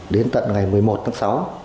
đến tận ngày một mươi một tháng sáu